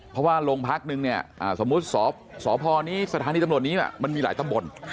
เพราะว่าโรงพักษ์นึงสมมุติสถานีตำรวจนี้มีหลายตำบล